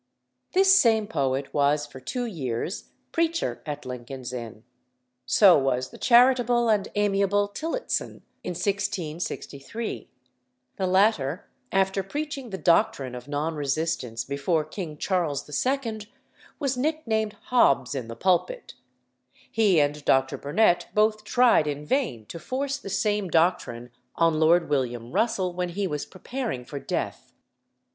This same poet was for two years preacher at Lincoln's Inn; so was the charitable and amiable Tillotson in 1663. The latter, after preaching the doctrine of non resistance before King Charles II., was nicknamed "Hobbes in the pulpit;" he and Dr. Burnet both tried in vain to force the same doctrine on Lord William Russell when he was preparing for death.